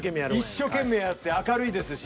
一生懸命やって明るいですし。